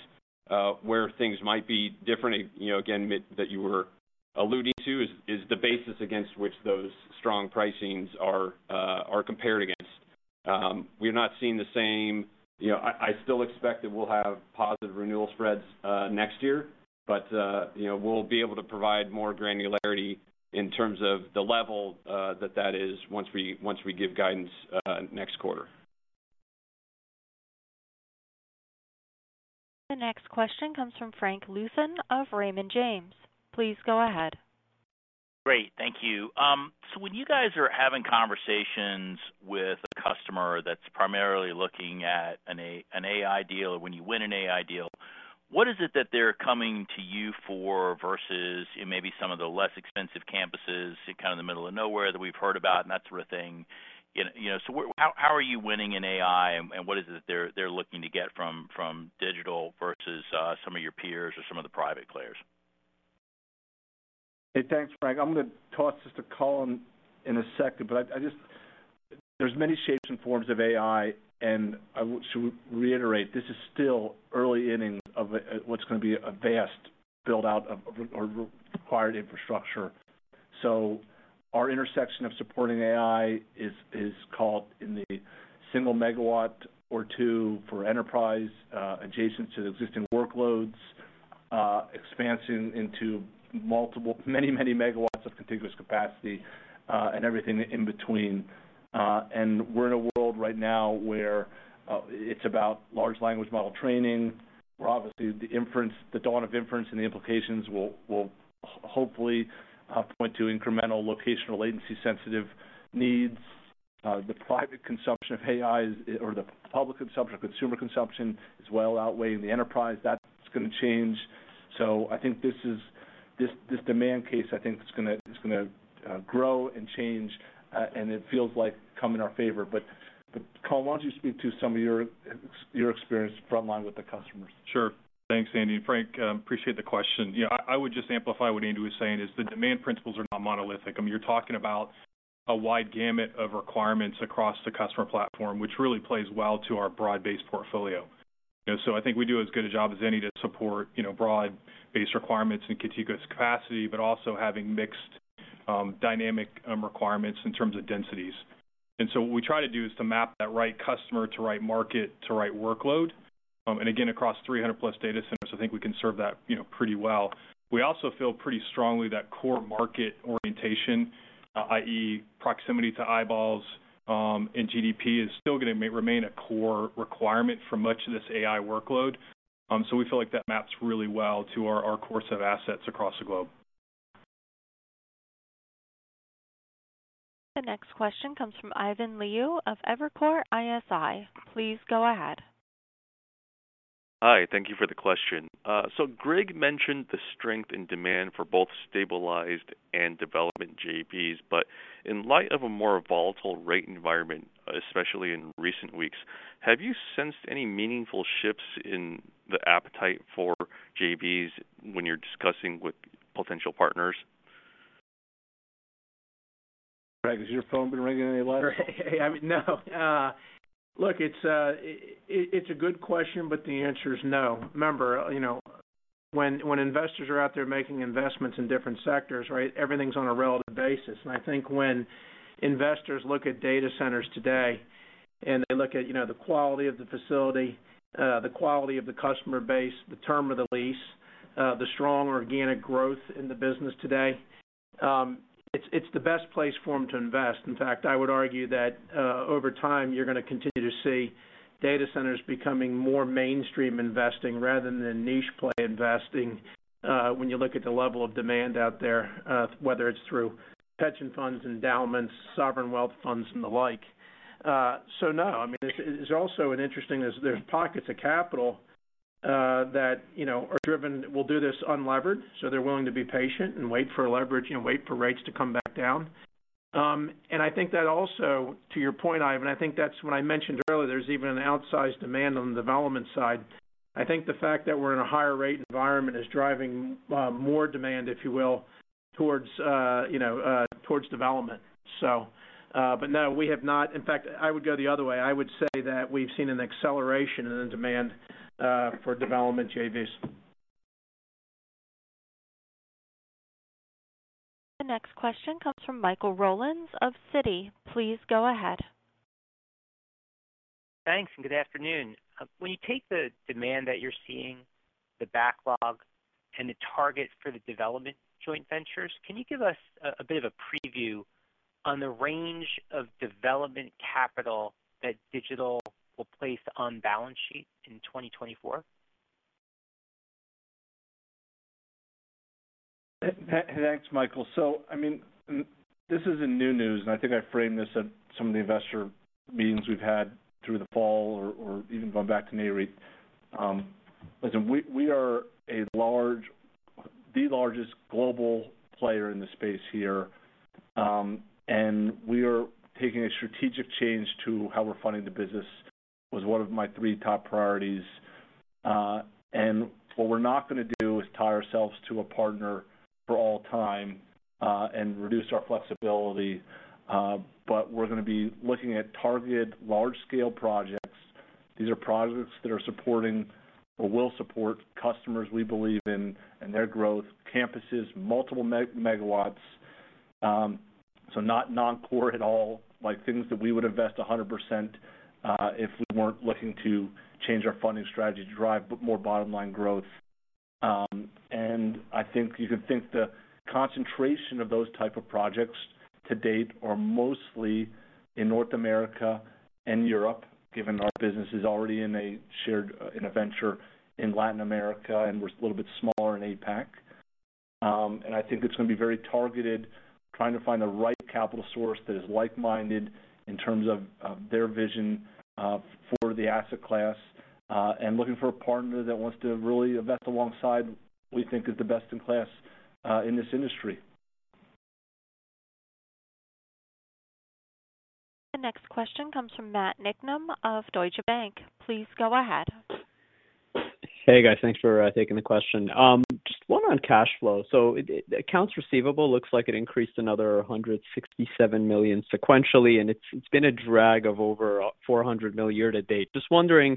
Where things might be different, you know, again, that you were alluding to, is the basis against which those strong pricings are compared against. We're not seeing the same. You know, I still expect that we'll have positive renewal spreads next year, but, you know, we'll be able to provide more granularity in terms of the level that that is once we give guidance next quarter. The next question comes from Frank Louthan of Raymond James. Please go ahead. Great. Thank you. So when you guys are having conversations with a customer that's primarily looking at an AI deal, or when you win an AI deal, what is it that they're coming to you for versus maybe some of the less expensive campuses in kind of the middle of nowhere that we've heard about and that sort of thing? You know, so how are you winning in AI, and what is it that they're looking to get from digital versus some of your peers or some of the private players? Hey, thanks, Frank. I'm going to toss this to Colin in a second, but I just-- there's many shapes and forms of AI, and I want to reiterate, this is still early innings of what's going to be a vast build-out of, of, or required infrastructure. Our intersection of supporting AI is caught in the single megawatt or two for enterprise, adjacent to the existing workloads, expanding into multiple, many, many megawatts of contiguous capacity, and everything in between. We're in a world right now where it's about large language model training, where obviously the inference, the dawn of inference and the implications will, will hopefully point to incremental locational latency sensitive needs. The private consumption of AI is, or the public consumption, consumer consumption is well outweighing the enterprise. That's going to change. So I think this is this demand case. I think it's gonna grow and change, and it feels like come in our favor. But Colin, why don't you speak to some of your experience frontline with the customers? Sure. Thanks, Andy. Frank, appreciate the question. Yeah, I would just amplify what Andy was saying is the demand principles are not monolithic. I mean, you're talking about a wide gamut of requirements across the customer platform, which really plays well to our broad-based portfolio. You know, so I think we do as good a job as any to support, you know, broad-based requirements and contiguous capacity, but also having mixed, dynamic, requirements in terms of densities. And so what we try to do is to map that right customer to right market to right workload, and again, across 300+ data centers, I think we can serve that, you know, pretty well. We also feel pretty strongly that core market orientation, i.e., proximity to eyeballs, and GDP, is still gonna remain a core requirement for much of this AI workload. So we feel like that maps really well to our core of assets across the globe. The next question comes from Irvin Liu of Evercore ISI. Please go ahead. Hi, thank you for the question. So, Greg mentioned the strength and demand for both stabilized and development JVs, but in light of a more volatile rate environment, especially in recent weeks, have you sensed any meaningful shifts in the appetite for JVs when you're discussing with potential partners? Greg, has your phone been ringing any later? Hey, I mean, no. Look, it's a good question, but the answer is no. Remember, you know, when investors are out there making investments in different sectors, right, everything's on a relative basis. And I think when investors look at data centers today, and they look at, you know, the quality of the facility, the quality of the customer base, the term of the lease, the strong organic growth in the business today, it's the best place for them to invest. In fact, I would argue that over time, you're going to continue to see data centers becoming more mainstream investing rather than niche play investing, when you look at the level of demand out there, whether it's through pension funds, endowments, sovereign wealth funds, and the like. No, I mean, it's also an interesting, there's, there's pockets of capital that, you know, are driven, will do this unlevered, so they're willing to be patient and wait for leverage, you know, wait for rates to come back down.... And I think that also, to your point, Irvin, I think that's what I mentioned earlier, there's even an outsized demand on the development side. I think the fact that we're in a higher rate environment is driving more demand, if you will, towards, you know, towards development. So, but no, we have not. In fact, I would go the other way. I would say that we've seen an acceleration in the demand for development JVs. The next question comes from Michael Rollins of Citi. Please go ahead. Thanks, and good afternoon. When you take the demand that you're seeing, the backlog and the targets for the development joint ventures, can you give us a bit of a preview on the range of development capital that Digital will place on balance sheet in 2024? Thanks, Michael. So I mean, this isn't new news, and I think I framed this at some of the investor meetings we've had through the fall or even going back to Nareit. Listen, we are a large, the largest global player in the space here, and we are taking a strategic change to how we're funding the business, was one of my three top priorities. And what we're not gonna do is tie ourselves to a partner for all time, and reduce our flexibility, but we're gonna be looking at targeted large-scale projects. These are projects that are supporting or will support customers we believe in and their growth, campuses, multiple megawatts. So not non-core at all, like things that we would invest 100%, if we weren't looking to change our funding strategy to drive more bottom-line growth. And I think you could think the concentration of those type of projects to date are mostly in North America and Europe, given our business is already in a shared, in a venture in Latin America, and we're a little bit smaller in APAC. And I think it's gonna be very targeted, trying to find the right capital source that is like-minded in terms of, of their vision, for the asset class, and looking for a partner that wants to really invest alongside what we think is the best in class, in this industry. The next question comes from Matt Niknam of Deutsche Bank. Please go ahead. Hey, guys. Thanks for taking the question. Just one on cash flow. So accounts receivable looks like it increased another $167 million sequentially, and it's been a drag of over $400 million year to date. Just wondering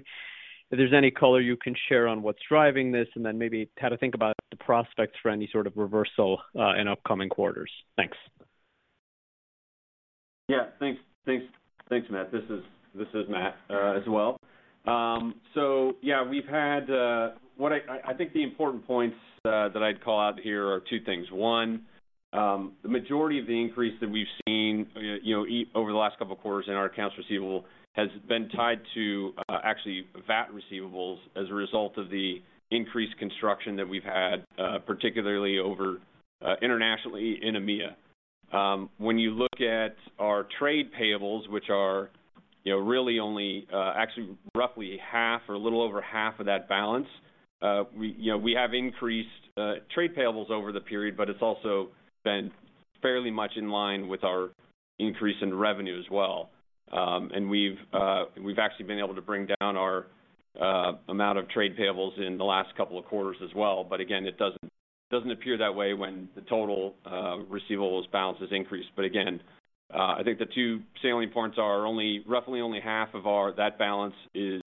if there's any color you can share on what's driving this, and then maybe how to think about the prospects for any sort of reversal in upcoming quarters. Thanks. Yeah. Thanks, thanks. Thanks, Matt. This is, this is Matt as well. Yeah, we've had, what I think the important points that I'd call out here are two things. One, the majority of the increase that we've seen, you know, over the last couple of quarters in our accounts receivable has been tied to, you know, actually, VAT receivables as a result of the increased construction that we've had, particularly over internationally in EMEA. When you look at our trade payables, which are, you know, really only, actually roughly half or a little over half of that balance, we, you know, we have increased trade payables over the period, but it's also been fairly much in line with our increase in revenue as well. We've actually been able to bring down our amount of trade payables in the last couple of quarters as well. It doesn't appear that way when the total receivables balance is increased. I think the two salient points are, roughly, only half of that balance is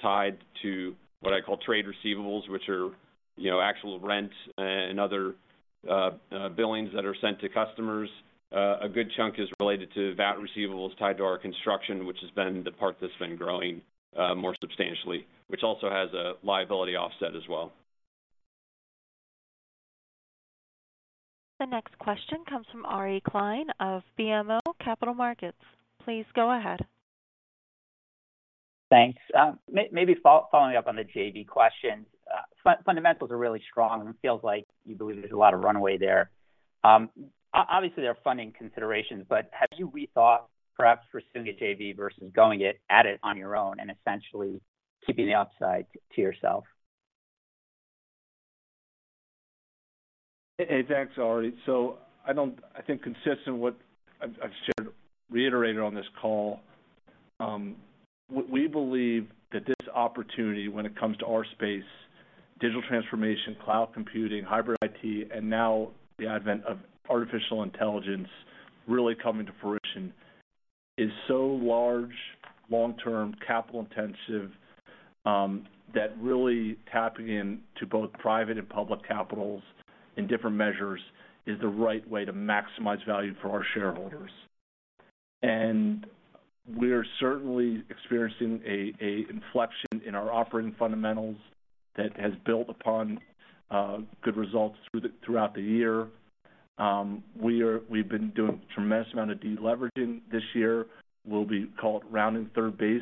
tied to what I call trade receivables, which are actual rent and other billings that are sent to customers. A good chunk is related to VAT receivables tied to our construction, which has been the part that's been growing more substantially, which also has a liability offset as well. The next question comes from Ari Klein of BMO Capital Markets. Please go ahead. Thanks. Maybe following up on the JV questions. Fundamentals are really strong, and it feels like you believe there's a lot of runway there. Obviously, there are funding considerations, but have you rethought perhaps pursuing a JV versus going at it on your own and essentially keeping the upside to yourself? Hey, thanks, Ari. So I think consistent with what I've shared, reiterated on this call, we believe that this opportunity, when it comes to our space, digital transformation, cloud computing, hybrid IT, and now the advent of artificial intelligence really coming to fruition, is so large, long-term, capital-intensive, that really tapping into both private and public capitals in different measures is the right way to maximize value for our shareholders. And we're certainly experiencing an inflection in our operating fundamentals that has built upon good results throughout the year. We've been doing a tremendous amount of deleveraging this year. We'll be, call it, rounding third base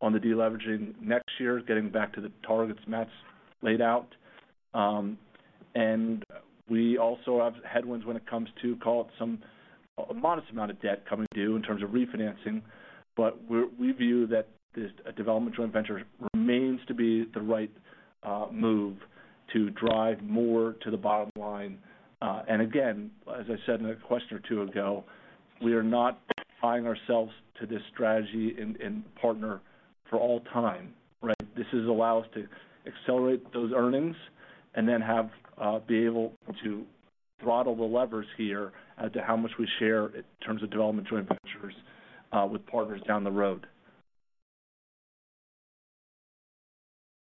on the deleveraging next year, getting back to the targets Matt's laid out. And we also have headwinds when it comes to, call it, a modest amount of debt coming due in terms of refinancing, but we view that this development joint venture remains to be the right move to drive more to the bottom line. And again, as I said in a question or two ago, we are not tying ourselves to this strategy and partner for all time, right? This is allow us to accelerate those earnings and then have be able to throttle the levers here as to how much we share in terms of development joint ventures with partners down the road.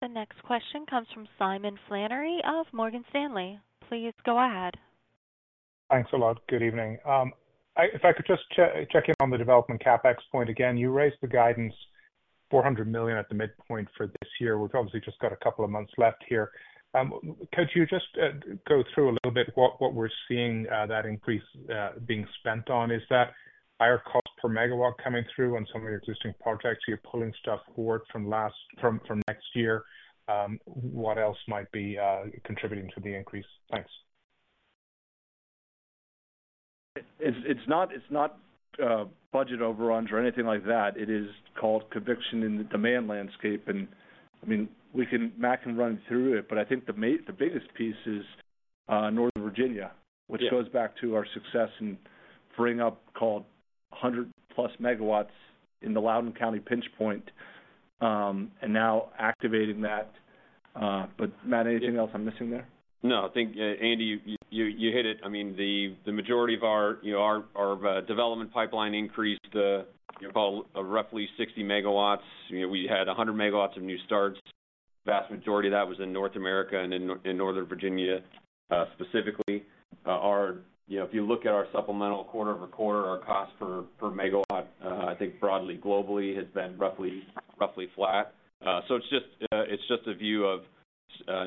The next question comes from Simon Flannery of Morgan Stanley. Please go ahead. Thanks a lot. Good evening. If I could just check in on the development CapEx point again. You raised the guidance $400 million at the midpoint for this year. We've obviously just got a couple of months left here. Could you just go through a little bit what we're seeing that increase being spent on? Is that higher cost per megawatt coming through on some of your existing projects? You're pulling stuff forward from next year. What else might be contributing to the increase? Thanks. It's, it's not, it's not, budget overruns or anything like that. It is called conviction in the demand landscape. I mean, we can—Matt can run through it, but I think the ma- the biggest piece is, Northern Virginia— Yeah. - which shows back to our success in bringing up, called 100+ MW in the Loudoun County pinch point, and now activating that. But Matt, anything else I'm missing there? No, I think, Andy, you hit it. I mean, the majority of our, you know, our development pipeline increased about roughly 60 MW. You know, we had 100 MW of new starts. Vast majority of that was in North America and in Northern Virginia, specifically. Our... You know, if you look at our supplemental quarter-over-quarter, our cost per megawatt, I think broadly globally, has been roughly flat. It's just a view of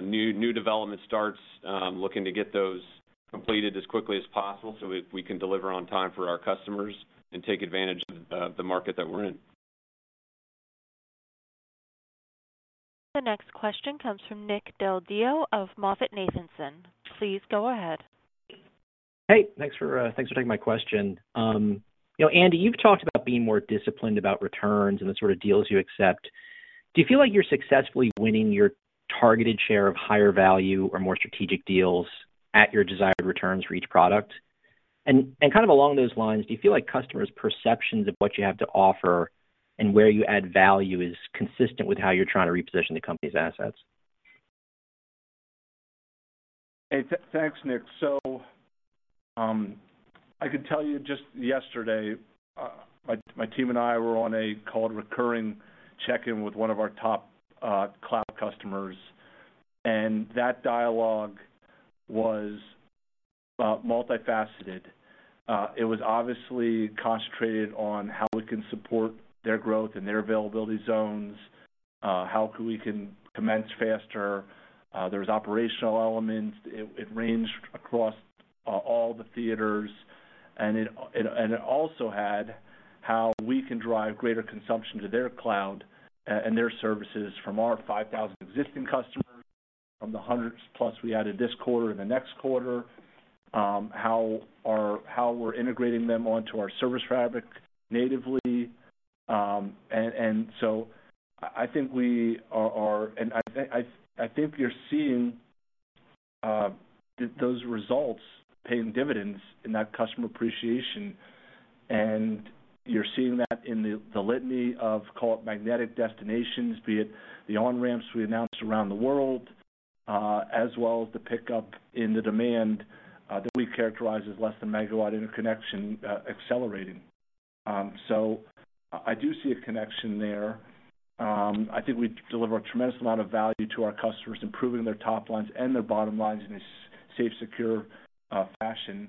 new development starts, looking to get those completed as quickly as possible so we can deliver on time for our customers and take advantage of the market that we're in. The next question comes from Nick Del Deo of MoffettNathanson. Please go ahead. Hey, thanks for taking my question. You know, Andy, you've talked about being more disciplined about returns and the sort of deals you accept. Do you feel like you're successfully winning your targeted share of higher value or more strategic deals at your desired returns for each product? And, and kind of along those lines, do you feel like customers' perceptions of what you have to offer and where you add value is consistent with how you're trying to reposition the company's assets? Hey, thanks, Nick. So, I could tell you just yesterday, my team and I were on a call, recurring check-in with one of our top cloud customers, and that dialogue was multifaceted. It was obviously concentrated on how we can support their growth and their availability zones, how could we can commence faster. There was operational elements. It ranged across all the theaters, and also had how we can drive greater consumption to their cloud and their services from our 5,000 existing customers, from the 100+ we added this quarter and the next quarter. How we're integrating them onto our ServiceFabric natively. So I think we are... And I think you're seeing those results paying dividends in that customer appreciation, and you're seeing that in the litany of call it magnetic destinations, be it the on-ramps we announced around the world, as well as the pickup in the demand that we characterize as less than megawatt interconnection accelerating. So I do see a connection there. I think we deliver a tremendous amount of value to our customers, improving their top lines and their bottom lines in a safe, secure fashion.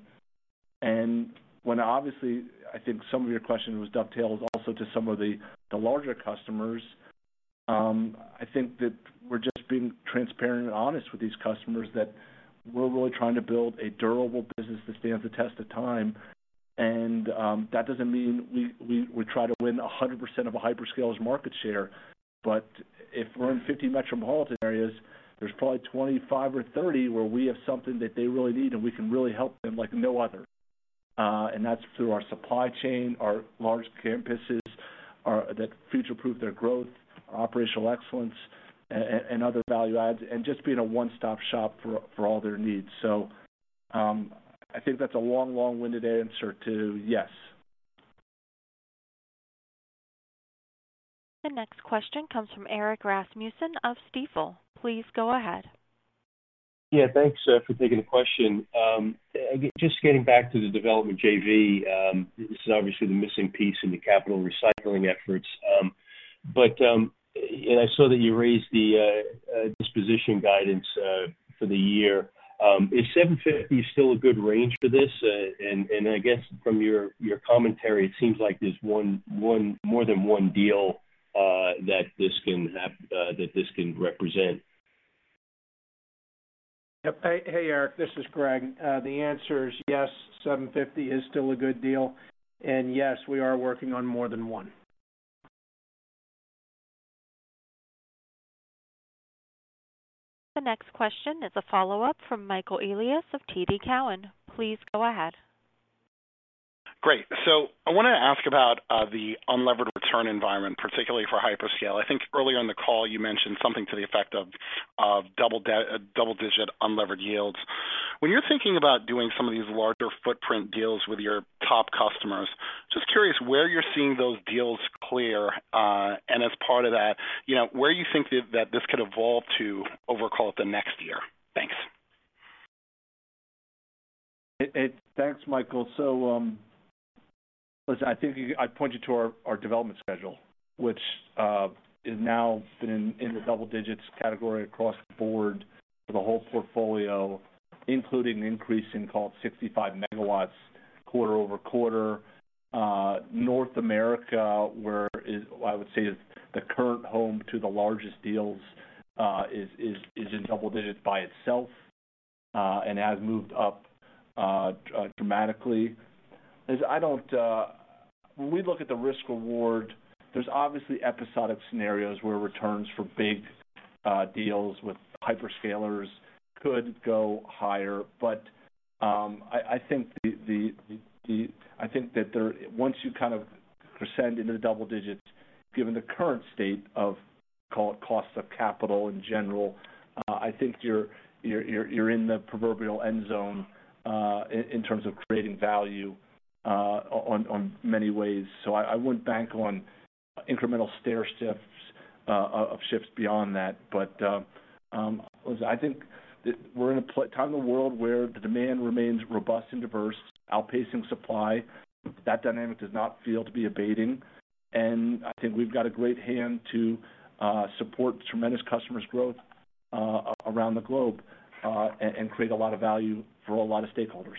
And when obviously, I think some of your question was dovetailed also to some of the larger customers, I think that we're just being transparent and honest with these customers that we're really trying to build a durable business that stands the test of time. That doesn't mean we try to win 100% of a hyperscalers market share. But if we're in 50 metropolitan areas, there's probably 25 or 30 where we have something that they really need, and we can really help them like no other. And that's through our supply chain, our large campuses, that future-proof their growth, operational excellence, and other value adds, and just being a one-stop shop for all their needs. So, I think that's a long, long-winded answer to yes. The next question comes from Eric Rasmussen of Stifel. Please go ahead. Yeah, thanks for taking the question. Just getting back to the development JV, this is obviously the missing piece in the capital recycling efforts. I saw that you raised the disposition guidance for the year. Is $750 million still a good range for this? I guess from your commentary, it seems like there's more than one deal that this can have, that this can represent. Yep. Hey, Eric, this is Greg. The answer is yes, $750 is still a good deal, and yes, we are working on more than one. The next question is a follow-up from Michael Elias of TD Cowen. Please go ahead. Great. So I wanted to ask about the unlevered return environment, particularly for hyperscale. I think earlier in the call, you mentioned something to the effect of double-digit unlevered yields. When you're thinking about doing some of these larger footprint deals with your top customers, just curious where you're seeing those deals clear, and as part of that, you know, where you think that this could evolve to over, call it, the next year? Thanks. Thanks, Michael. So, listen, I think I'd point you to our development schedule, which is now been in the double digits category across the board for the whole portfolio, including an increase in call it 65 MW quarter-over-quarter. North America, where is, I would say, is the current home to the largest deals, is in double digits by itself, and has moved up dramatically. Listen, I don't... When we look at the risk reward, there's obviously episodic scenarios where returns for big deals with hyperscalers could go higher. I think that there, once you kind of ascend into the double digits, given the current state of, call it, costs of capital in general, I think you're in the proverbial end zone in terms of creating value in many ways. I wouldn't bank on incremental stair shifts of shifts beyond that. Listen, I think that we're in a time in the world where the demand remains robust and diverse, outpacing supply. That dynamic does not feel to be abating, and I think we've got a great hand to support tremendous customers' growth around the globe and create a lot of value for a lot of stakeholders.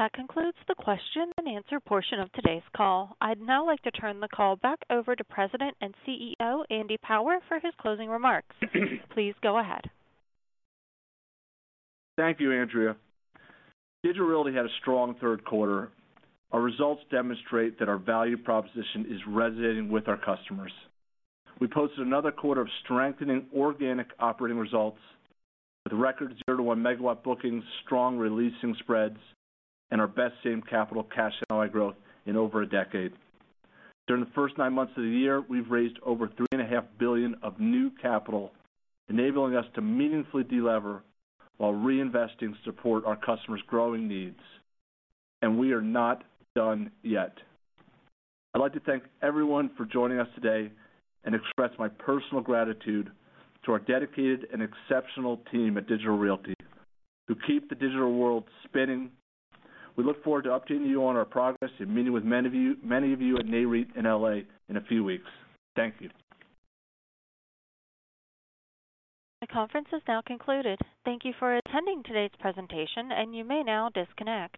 That concludes the question and answer portion of today's call. I'd now like to turn the call back over to President and CEO, Andy Power, for his closing remarks. Please go ahead. Thank you, Andrea. Digital Realty had a strong third quarter. Our results demonstrate that our value proposition is resonating with our customers. We posted another quarter of strengthening organic operating results with record 0 MW-1 MW bookings, strong re-leasing spreads, and our best same capital cash NOI growth in over a decade. During the first nine months of the year, we've raised over $3.5 billion of new capital, enabling us to meaningfully delever while reinvesting to support our customers' growing needs, and we are not done yet. I'd like to thank everyone for joining us today and express my personal gratitude to our dedicated and exceptional team at Digital Realty, who keep the digital world spinning. We look forward to updating you on our progress and meeting with many of you, many of you at Nareit in L.A. in a few weeks. Thank you. The conference is now concluded. Thank you for attending today's presentation, and you may now disconnect.